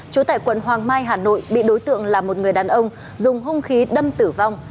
chú tại quận hoàng mai hà nội bị đối tượng là một người đàn ông dùng hung khí đâm tử vong